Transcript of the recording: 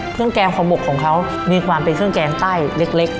เครื่องแกงของบุกของเขามีความเป็นเครื่องแกงใต้เล็ก